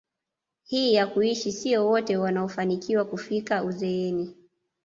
hii ya kuishi sio wote wanaofanikiwa kufika uzeeni